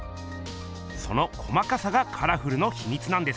その細かさがカラフルのひみつなんです。